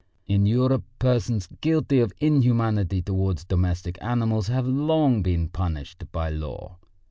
In Europe persons guilty of inhumanity towards domestic animals have long been punished by law.